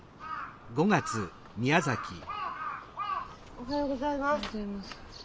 おはようございます。